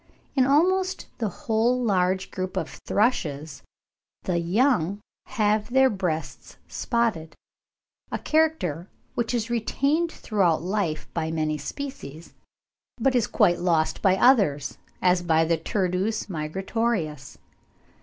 In almost the whole large group of thrushes the young have their breasts spotted—a character which is retained throughout life by many species, but is quite lost by others, as by the Turdus migratorius.